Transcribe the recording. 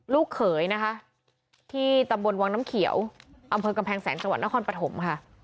ลูกเขยนะคะที่ตำบลวังน้ำเขียวอำเภอกำแพงแสนจังหวัดนครปฐมค่ะ